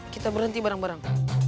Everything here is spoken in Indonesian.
kita berhenti bareng bareng